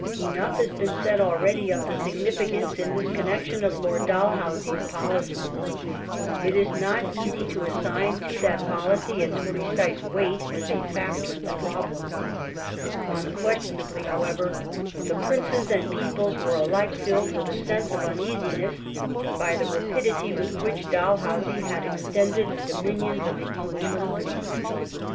Enough has been said already of the significance in this connection of Lord Dalhousie's policy. It is not easy to assign to that policy its precise weight as a factor in the problem. Unquestionably, however, the princes and peoples were alike filled with a sense of uneasiness by the rapidity with which Dalhousie had extended the dominions of the English Company.